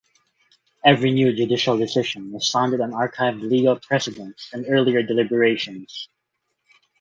Every new judicial decision was founded on archived legal precedents and earlier deliberations.